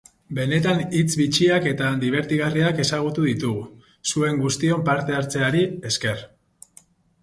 Benetan hitz bitxiak eta dibertigarriak ezagutu ditugu, zuen guztion parte-hartzeari esker.